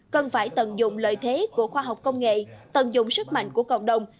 cần phải tận dụng lợi thế của khoa học công nghệ tận dụng sức mạnh của cộng đồng